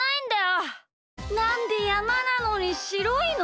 なんでやまなのにしろいの？